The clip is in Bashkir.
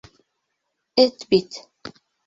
Эт бит.